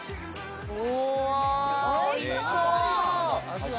おいしそう！